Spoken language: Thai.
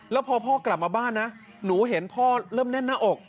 แล้วพอพ่อกลับมาบ้านนะหนูเห็นพ่อเริ่มแน่นหน้าอก